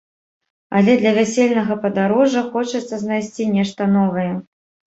Але для вясельнага падарожжа хочацца знайсці нешта новае.